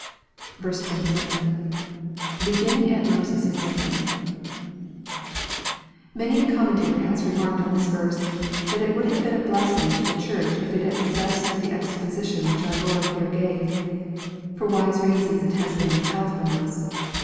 27. — [Beginning at AfoseSj (kc] Many a commentator has remarked on this verse, that it would have been a blessing to the Church if it had possessed the exposition which our Lord here gave. For wise reasons it has been withheld fi'om us.